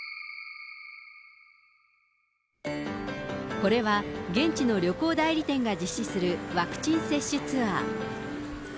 これは、現地の旅行代理店が実施するワクチン接種ツアー。